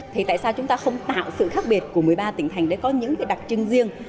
thì tại sao chúng ta không tạo sự khác biệt của một mươi ba tỉnh thành để có những đặc trưng riêng